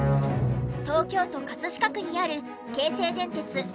東京都葛飾区にある京成電鉄お花茶屋駅。